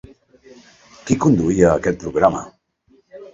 Qui conduïa aquest programa?